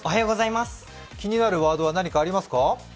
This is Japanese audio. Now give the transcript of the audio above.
気になるワードは何かありますか。